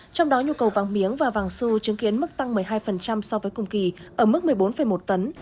trong đó nhu cầu vàng miếng và vàng su chứng kiến mức tăng một mươi hai so với cùng kỳ ở mức một mươi bốn một tấn